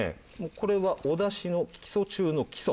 これはお出汁の基礎中の基礎。